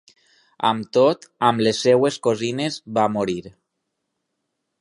Amb tot, una de les seves cosines va morir.